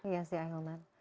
iya sih ahilman